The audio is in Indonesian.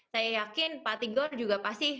saya yakin pak tigor juga pasti